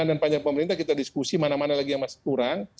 dan panja pemerintah kita diskusi mana mana lagi yang masih kurang